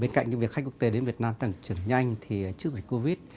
bên cạnh việc khách quốc tế đến việt nam tăng trưởng nhanh thì trước dịch covid